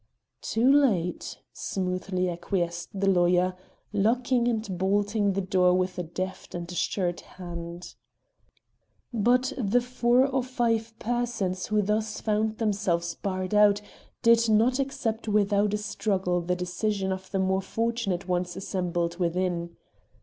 "Too late!" smoothly acquiesced the lawyer, locking and bolting the door with a deft and assured hand. But the four or five persons who thus found themselves barred out did not accept without a struggle the decision of the more fortunate ones assembled within.